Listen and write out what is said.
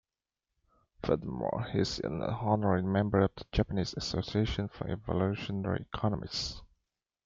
Furthermore, he is an honorary member of the Japanese Association for Evolutionary Economics.